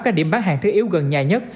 các điểm bán hàng thiết yếu gần nhà nhất